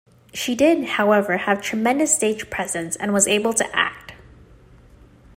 She did, however, have tremendous stage presence and was able to act.